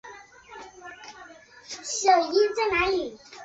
格林斯堡是路易斯安那州最古老的城镇之一。